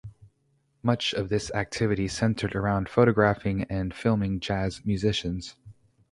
Much of this activity centered around photographing and filming jazz musicians.